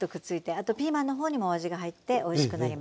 あとピーマンのほうにもお味が入っておいしくなります。